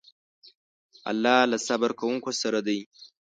الله له صبر کوونکو سره دی.